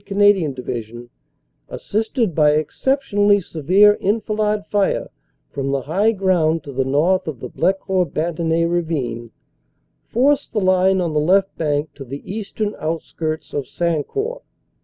Canadian Division, assisted by exceptionally severe enfilade fire from the high ground to the north of the Blecourt Bantigny Ravine, forced the line on the left bank to the eastern outskirts of Sancourt.